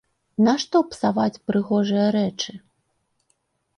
Нашто псаваць прыгожыя рэчы!